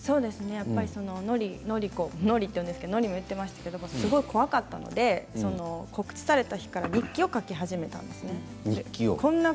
やっぱりノリコ、ノリというんですけどノリコが言ってましたけど怖かったので告知された日から日記を書き始めたんです。